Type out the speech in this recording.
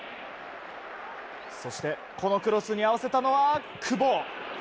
そして、このクロスに合わせたのは久保。